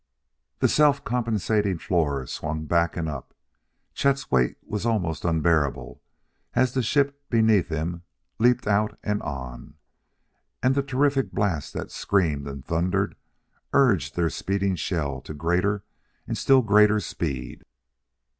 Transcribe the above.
The self compensating floor swung back and up; Chet's weight was almost unbearable as the ship beneath him leaped out and on, and the terrific blast that screamed and thundered urged this speeding shell to greater and still greater speed.